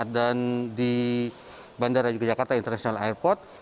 dan di bandara yogyakarta international airport